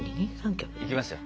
いきますよ。